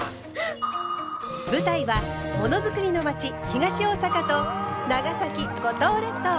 舞台は、ものづくりの街東大阪と長崎五島列島。